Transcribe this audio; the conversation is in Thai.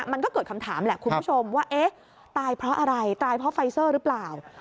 มันก็เกิดคำถามแหละคุณผู้ชมว่าเอ๊ะตายเพราะอะไรตายเพราะไฟเซอร์หรือเปล่า